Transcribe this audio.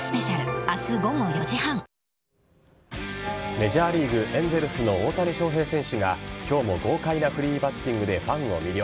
メジャーリーグエンゼルスの大谷翔平選手が今日も豪快なフリーバッティングでファンを魅了。